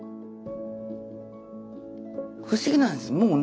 不思議なんです。